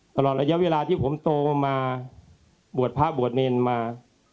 ตลอดระยะเวลาที่ผมโตมาบวชพระบวชเนรมา